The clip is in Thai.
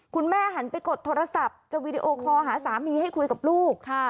หันไปกดโทรศัพท์จะวีดีโอคอลหาสามีให้คุยกับลูก